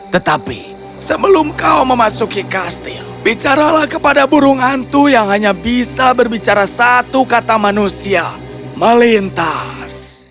tetapi sebelum kau memasuki kastil bicaralah kepada burung hantu yang hanya bisa berbicara satu kata manusia melintas